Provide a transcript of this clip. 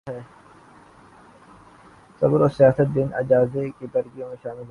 صبر سیاست دان کے اجزائے ترکیبی میں شامل ہوتا ہے۔